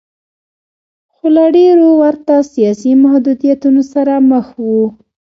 خو له ډېرو ورته سیاسي محدودیتونو سره مخ و.